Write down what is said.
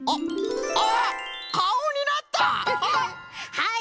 はい！